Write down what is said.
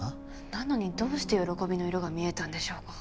なのにどうして「喜び」の色が見えたんでしょうか。